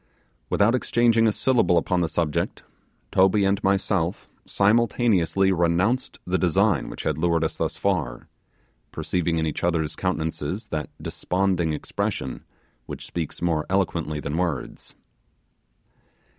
Without exchanging a syllable upon the subject, Toby and myself simultaneously renounced the design which had lured us thus far perceiving in each other's countenances that desponding expression which speaks more eloquently than words.